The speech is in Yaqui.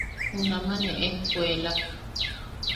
Junama ne ejkuelak.